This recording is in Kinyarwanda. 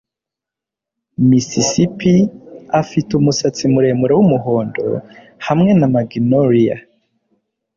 Mississippi, afite umusatsi muremure wumuhondo hamwe na magnoliya